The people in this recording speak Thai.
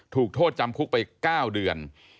ถูกโทษจำคุกไป๙เดือน